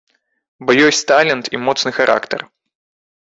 Бо ёсць талент і моцны характар.